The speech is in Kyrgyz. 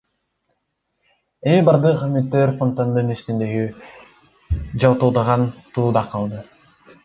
Эми бардык үмүттөр фонтандын үстүндөгү жалтылдаган тууда калды.